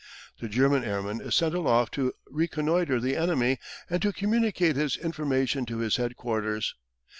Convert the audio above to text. The German airman is sent aloft to reconnoitre the enemy and to communicate his information to his headquarters.